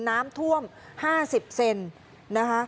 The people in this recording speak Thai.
น้ำท่วม๕๐เซนนะคะ